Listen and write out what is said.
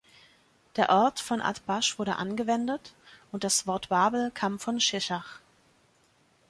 Der Ort von Atbash wurde angewendet, und das Wort Babel kam von Sheshach.